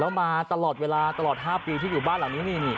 แล้วมาตลอดเวลาตลอด๕ปีที่อยู่บ้านหลังนี้นี่